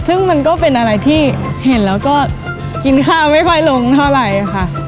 ซึ่งมันก็เป็นอะไรที่เห็นแล้วก็กินข้าวไม่ค่อยลงเท่าไหร่ค่ะ